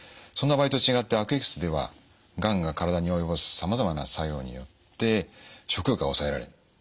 そんな場合と違って悪液質ではがんが体に及ぼすさまざまな作用によって食欲が抑えられる。